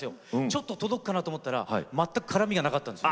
ちょっと届くかなと思ったら全く絡みがなかったんですよ。